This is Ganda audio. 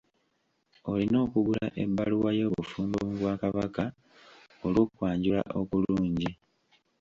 Olina okugula ebbaluwa y'obufumbo mu bwakabaka olw'okwanjula okulungi.